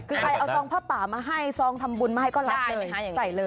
คือใครเอาซองผ้าป่ามาให้ซองทำบุญให้ก็รับเลย